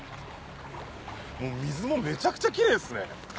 水もめちゃくちゃキレイですね。